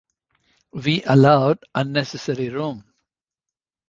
We allowed unnecessary room.